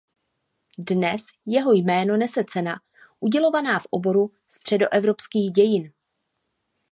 Dnes jeho jméno nese cena udělovaná v oboru středoevropských dějin.